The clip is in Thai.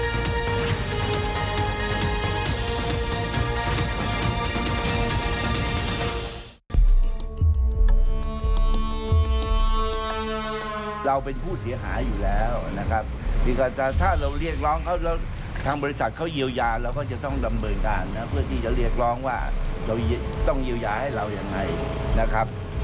เราเป็นผู้เสียหายอยู่แล้วนะครับเพียงแต่ถ้าเราเรียกร้องเขาแล้วทางบริษัทเขาเยียวยาเราก็จะต้องดำเนินการนะเพื่อที่จะเรียกร้องว่าเราต้องเยียวยาให้เรายังไงนะครับ